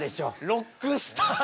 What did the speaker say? ロックスターと。